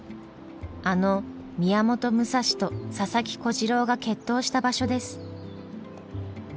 あの宮本武蔵と佐々木小次郎が決闘した場所です。